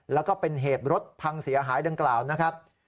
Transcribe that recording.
แล้วก็เป็นเหตุรถพังเสียหายดังกล่าวนะครับ